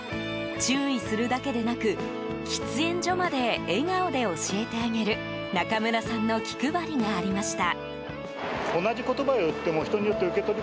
注意するだけでなく喫煙所まで笑顔で教えてあげる中村さんの気配りがありました。